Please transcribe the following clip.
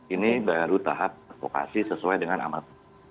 ini baru tahap advokasi sesuai dengan amat